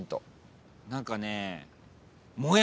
何かね。